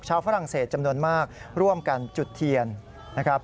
ฝรั่งเศสจำนวนมากร่วมกันจุดเทียนนะครับ